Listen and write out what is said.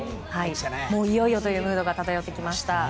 もういよいよというムードが漂ってきました。